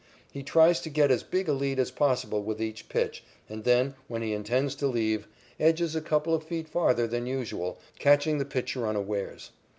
He tries to get as big a lead as possible with each pitch, and then, when he intends to leave, edges a couple of feet farther than usual, catching the pitcher unawares.